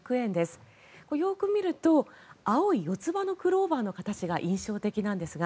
よく見ると青い四つ葉のクローバーの形が印象的なんですが。